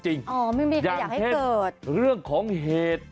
อ๋อไม่มีใครอยากให้เกิดอย่างเช่นเรื่องของเหตุ